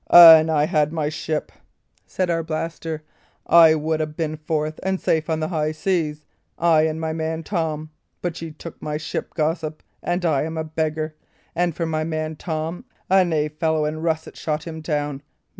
"An I had had my ship," said Arblaster, "I would 'a' been forth and safe on the high seas I and my man Tom. But ye took my ship, gossip, and I'm a beggar; and for my man Tom, a knave fellow in russet shot him down.